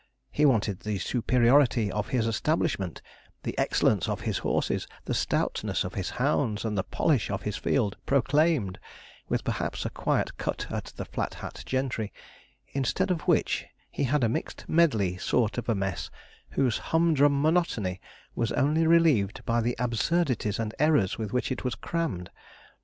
He wanted the superiority of his establishment, the excellence of his horses, the stoutness of his hounds, and the polish of his field, proclaimed, with perhaps a quiet cut at the Flat Hat gentry; instead of which he had a mixed medley sort of a mess, whose humdrum monotony was only relieved by the absurdities and errors with which it was crammed.